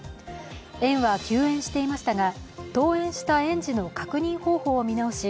園は休園していましたが、登園した園児の確認方法を見直し